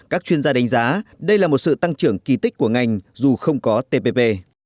các chuyên gia đánh giá đây là một sự tăng trưởng kỳ tích của ngành dù không có tpp